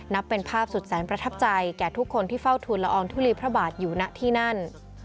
นับเป็นภาพสุดแสนประทับใจแก่ทุกคนที่เฝ้าทุนละอองทุลีพระบาทอยู่ณที่นั่น